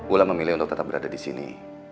ulama memilih untuk tetap berada di sini